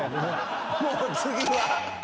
もう次は？